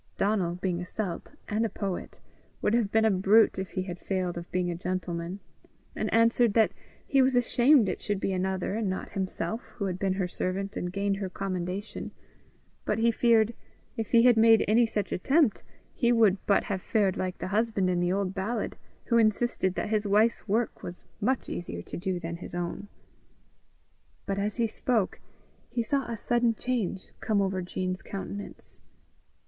Donal, being a Celt, and a poet, would have been a brute if he had failed of being a gentleman, and answered that he was ashamed it should be another and not himself who had been her servant and gained her commendation; but he feared, if he had made any such attempt, he would but have fared like the husband in the old ballad who insisted that his wife's work was much easier to do than his own. But as he spoke, he saw a sudden change come over Jean's countenance.